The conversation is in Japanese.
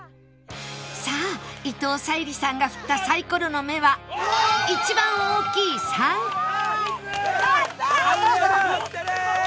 さあ伊藤沙莉さんが振ったサイコロの目は一番大きい３やったー！